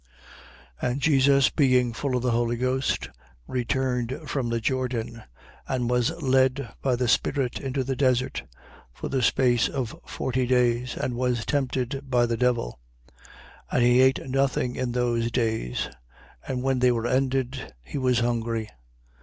4:1. And Jesus being full of the Holy Ghost, returned from the Jordan and was led the by the spirit into the desert, 4:2. For the space of forty days, and was tempted by the devil. And he ate nothing in those days. And when they were ended, he was hungry.